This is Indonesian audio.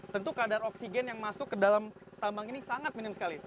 tentu kadar oksigen yang masuk ke dalam tambang ini sangat minim sekali